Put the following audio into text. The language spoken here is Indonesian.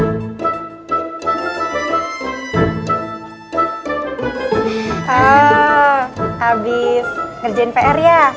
oh abis ngerjain pr ya